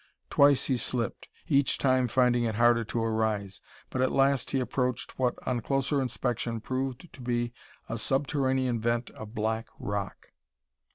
Twice he slipped, each time finding it harder to arise. But at last he approached what on closer inspection proved to be a subterranean vent of black rock.